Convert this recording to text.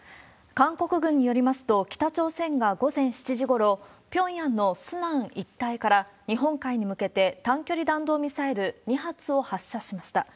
韓国軍によりますと、北朝鮮が午前７時ごろ、ピョンヤンのスナン一帯から、日本海に向けて短距離弾道ミサイル２発を発射しました。